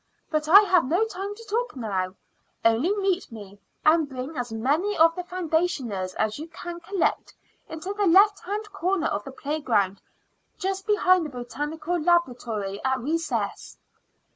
But I have no time to talk now; only meet me, and bring as many of the foundationers as you can collect into the left hand corner of the playground, just behind the Botanical Laboratory, at recess."